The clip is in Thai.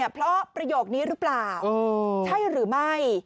เพราะประโยคนี้หรือเปล่าใช่หรือไม่